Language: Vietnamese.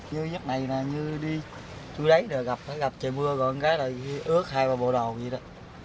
như giấc này nè như đi chui đấy gặp trời mưa gặp con gái lại ướt hai ba bộ đồ vậy đó